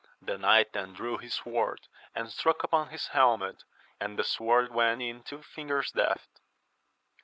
The knight then .drew his sword, and struck upon his helmet, and the sword went in two fingers' depth.